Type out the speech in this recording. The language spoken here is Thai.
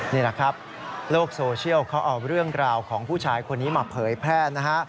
นี่แหละครับโลกโซเชียลเขาเอาเรื่องราวของผู้ชายคนนี้มาเผยแพร่นะฮะ